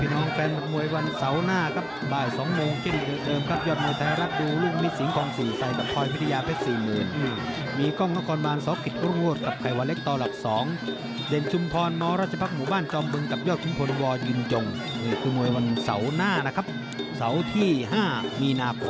แล้วก็หลังจากจบ๕โมงเย็นไปแล้วก็พร้อมได้ให้ร้านติดตามชมก่อนนะครับรายการเจนโชว์เพลงลุกทุ่ม